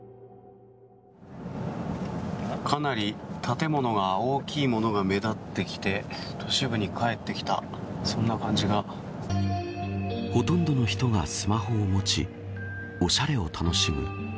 かなり建物が大きいものが目立ってきて都市部に帰ってきたそんほとんどの人がスマホを持ちおしゃれを楽しむ。